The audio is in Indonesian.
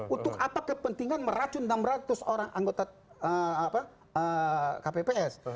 untuk apa kepentingan meracun enam ratus orang anggota kpps